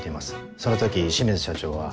その時清水社長は。